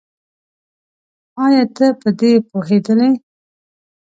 ايا ته په دې پوهېدلې؟